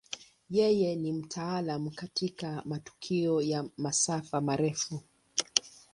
Yeye ni mtaalamu katika matukio ya masafa marefu.